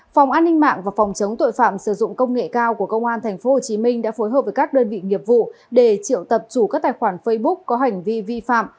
phòng an ninh mạng và phòng chống tội phạm sử dụng công nghệ cao của công an tp hcm đã phối hợp với các đơn vị nghiệp vụ để triệu tập chủ các tài khoản facebook có hành vi vi phạm